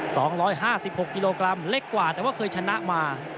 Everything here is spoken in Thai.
สองร้อยห้าสิบหกกิโลกรัมเล็กกว่าแต่ว่าเคยชนะมา